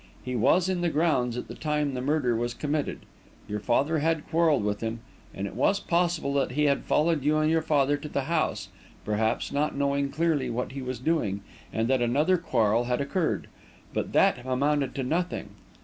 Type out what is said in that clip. He was in the grounds at the time the murder was committed; your father had quarrelled with him, and it was possible that he had followed you and your father to the house, perhaps not knowing clearly what he was doing, and that another quarrel had occurred. But that amounted to nothing.